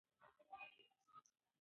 مور د ماشوم د ستوني ستونزه پېژني.